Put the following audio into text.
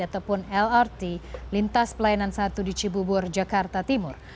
ataupun lrt lintas pelayanan satu di cibubur jakarta timur